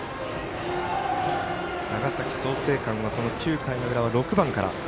長崎、創成館はこの９回の裏は６番から。